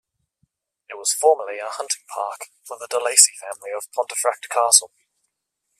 It was formerly a hunting park for the De Lacy family of Pontefract Castle.